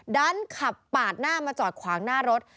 ดันขับปาดหน้ามาจอดขวางหน้ารถ